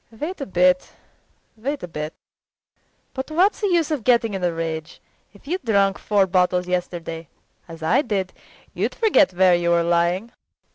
Wait a bit, wait a bit! But what's the use of getting in a rage. If you'd drunk four bottles yesterday as I did you'd forget where you were lying.